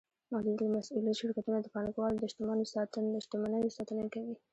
محدودالمسوولیت شرکتونه د پانګهوالو د شتمنیو ساتنه کوي.